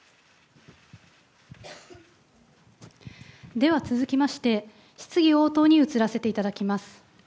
では続きまして、質疑応答に移らせていただきます。